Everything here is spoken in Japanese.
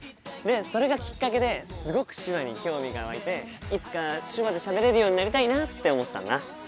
それがきっかけですごく手話に興味が湧いていつか手話でしゃべれるようになりたいなって思ったんだ。